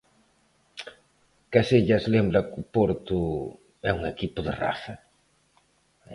Casillas lembra que o Porto é un equipo de raza.